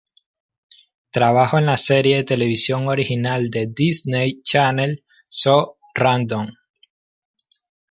Trabajo en la serie de televisión original de Disney Channel, So Random!